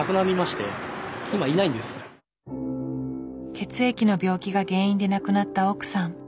血液の病気が原因で亡くなった奥さん。